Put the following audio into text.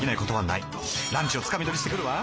ランチをつかみ取りしてくるわ。